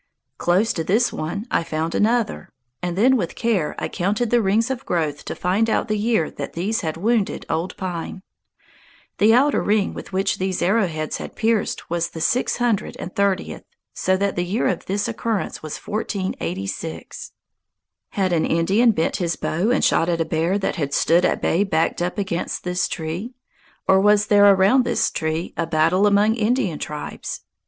Close to this one I found another, and then with care I counted the rings of growth to find out the year that these had wounded Old Pine. The outer ring which these arrowheads had pierced was the six hundred and thirtieth, so that the year of this occurrence was 1486. Had an Indian bent his bow and shot at a bear that had stood at bay backed up against this tree? Or was there around this tree a battle among Indian tribes?